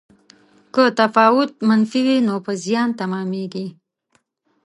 که تفاوت منفي وي نو په زیان تمامیږي.